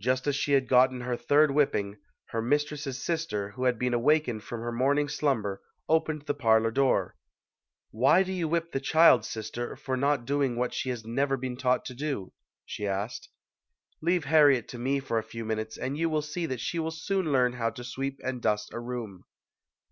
Just as she had gotten her third whipping, her mistress's sister, who had been awakened from her morning slumber, opened the parlor door. "Why do you whip the child, sister, for not doing what she has never been taught to do?" she asked. "Leave Harriet to me for a few minutes and you will see that she will soon learn how to sweep and dust a room."